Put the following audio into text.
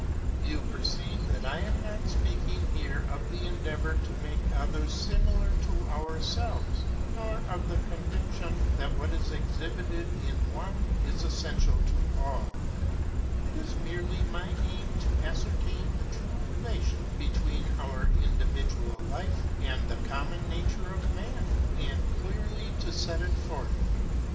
[Illustration: FRIEDRICH SCHLEIERMACHER] You perceive that I am not speaking here of the endeavor to make others similar to ourselves, nor of the conviction that what is exhibited in one is essential to all; it is merely my aim to ascertain the true relation between our individual life and the common nature of man, and clearly to set it forth.